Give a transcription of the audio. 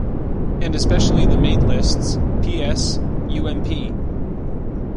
And especially the main lists: PS, UMP.